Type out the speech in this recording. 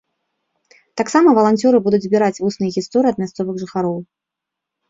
Таксама валанцёры будуць збіраць вусныя гісторыі ад мясцовых жыхароў.